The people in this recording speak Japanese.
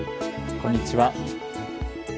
こんにちは。